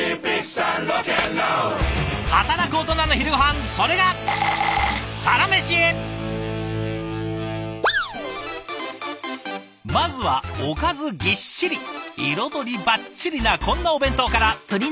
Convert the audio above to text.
働くオトナの昼ごはんそれがまずはおかずぎっしり彩りバッチリなこんなお弁当から！